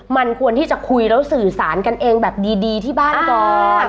มันควรที่จะคุยแล้วสื่อสารกันเองแบบดีที่บ้านก่อน